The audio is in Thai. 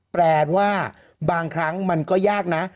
แปลว่าบางครั้งมันก็ยากนะ